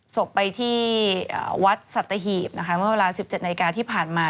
ศพไปที่วัดสัตหีบนะคะเมื่อเวลา๑๗นาฬิกาที่ผ่านมา